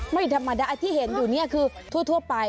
ไม่ธรรมดาที่เห็นอยู่นี่คือทั่วไป